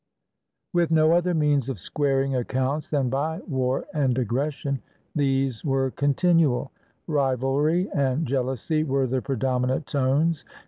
With no other means of squaring accounts than by war and aggression, these were continual. Rivalry and jeal ousy were the predominant tones.